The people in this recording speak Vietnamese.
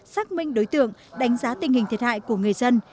xác minh đối tượng đánh giá tình hình thiệt hại của người dân